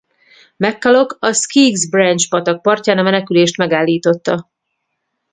McCulloch a Skeeg’s Branch patak partján a menekülést megállította.